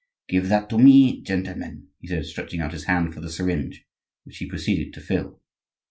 Give that to me, gentlemen," he said, stretching out his hand for the syringe, which he proceeded to fill.